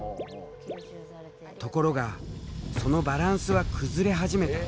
ところがそのバランスは崩れ始めた。